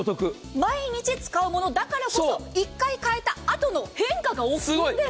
毎日使うものだからこそ１回変えたあとの変化が大きいんです。